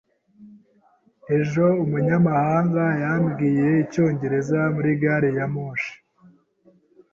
Ejo umunyamahanga yambwiye icyongereza muri gari ya moshi.